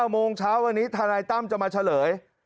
โมงเช้าวันนี้ทนายตั้มจะมาเฉลย